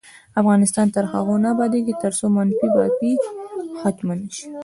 افغانستان تر هغو نه ابادیږي، ترڅو منفي بافي ختمه نشي.